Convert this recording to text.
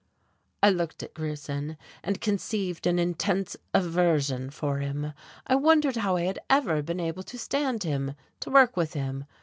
I looked at Grierson, and conceived an intense aversion for him. I wondered how I had ever been able to stand him, to work with him.